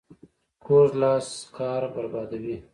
کوږ لاس کار بربادوي